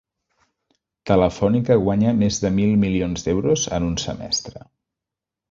Telefònica guanya més de mil milions d'euros en un semestre